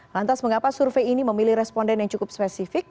lantas mengapa survei ini memilih responden yang cukup spesifik